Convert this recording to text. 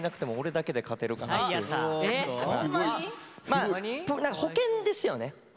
まあ保険ですよね。